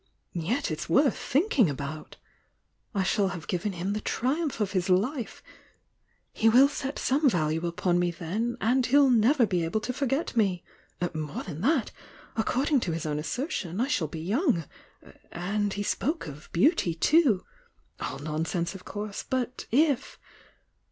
Yet it's worth thinking about! I shall have given him the triumph of his life! He will set some value upon me then,— and he'll never be able to forget me! More than that, according to his own asser tion, I shall be young! — and he spoke of beauty too! —all nonsense, of course— but if !— if!